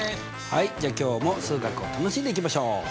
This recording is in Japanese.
はいじゃあ今日も数学を楽しんでいきましょう。